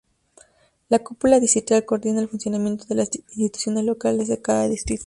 La cúpula distrital coordina el funcionamiento de las instituciones locales de cada distrito.